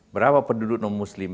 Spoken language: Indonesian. berapa penduduk non muslim